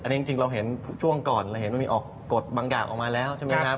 อันนี้จริงเราเห็นช่วงก่อนเราเห็นว่ามีออกกฎบางอย่างออกมาแล้วใช่ไหมครับ